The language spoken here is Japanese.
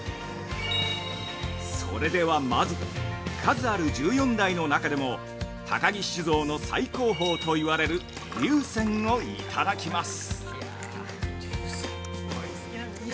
◆それでは、まず数ある十四代の中でも高木酒造の最高峰といわれる龍泉をいただきます。